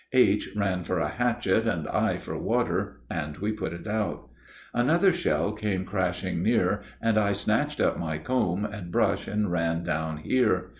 H. ran for a hatchet and I for water, and we put it out. Another [shell] came crashing near, and I snatched up my comb and brush and ran down here.